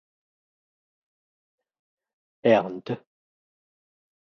ernte